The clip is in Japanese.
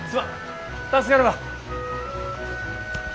助かるわ。